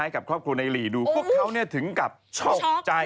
ให้กับครอบครูในหลีดูพวกเขาเนี่ยถึงกับช็อกใจ